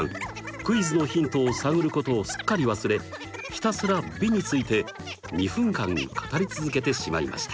クイズのヒントを探ることをすっかり忘れひたすら美について２分間語り続けてしまいました！